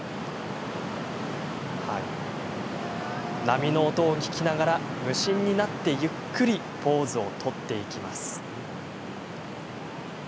波の音を聞きながら無心になってゆっくりポーズを取っていきます。